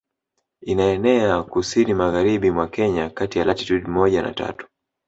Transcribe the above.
Inaenea kusini magharibi mwa Kenya kati ya latitude moja na tatu